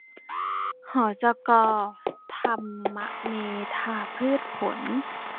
หจก.ธรรมเมธาพืชผล